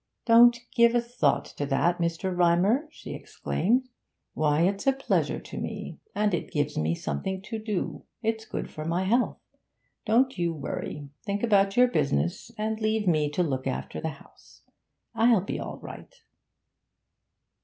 'Don't you give a thought to that, Mr. Rymer,' she exclaimed. 'Why, it's a pleasure to me, and it gives me something to do it's good for my health. Don't you worry. Think about your business, and leave me to look after the house. It'll be all right.'